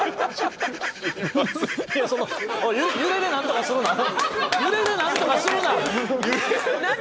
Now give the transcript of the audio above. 揺れで何とかするな！